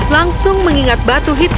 langsung mengingat batu hitamnya